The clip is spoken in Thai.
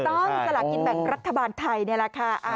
สลากินแบ่งรัฐบาลไทยนี่แหละค่ะ